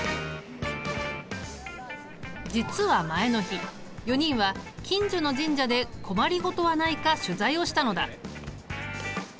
実は前の日４人は近所の神社で困りごとはないか取材をしたのだ。